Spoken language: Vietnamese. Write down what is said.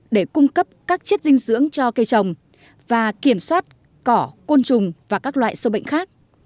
để cung cấp các chất dinh dưỡng cho cây trồng và kiểm soát cỏ côn trùng và các loại sâu bệnh khác